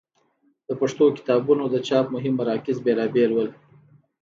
د پښتو کتابونو د چاپ مهم مراکز بېلابېل ول.